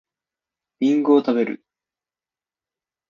りんごを食べる